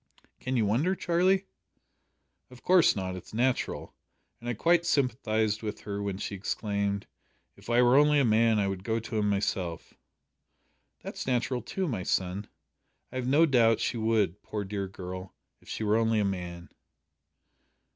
"Can you wonder, Charlie?" "Of course not. It's natural, and I quite sympathised with her when she exclaimed, `If I were only a man I would go to him myself.'" "That's natural too, my son. I have no doubt she would, poor dear girl, if she were only a man."